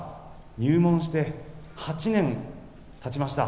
入門して８年たちました。